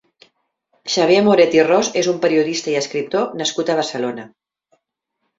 Xavier Moret i Ros és un periodista i escriptor nascut a Barcelona.